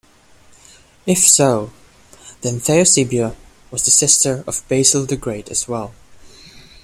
If so, then Theosebia was the sister of Basil the Great as well.